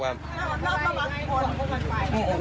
หน้าวัดมากคน